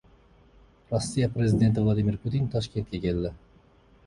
Rossiya Prezidenti Vladimir Putin Toshkentga keldi